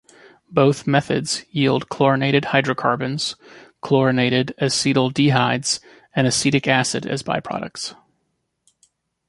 Both methods yield chlorinated hydrocarbons, chlorinated acetaldehydes, and acetic acid as byproducts.